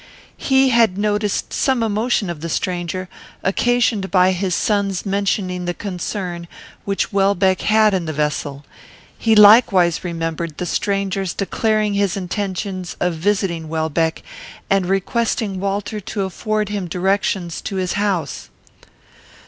He had noticed some emotion of the stranger, occasioned by his son's mentioning the concern which Welbeck had in the vessel. He likewise remembered the stranger's declaring his intention of visiting Welbeck, and requesting Walter to afford him directions to his house.